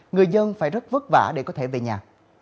người dân phải rất vất vả để có thể về nhà